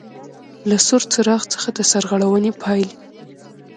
له سور څراغ څخه د سرغړونې پاېلې: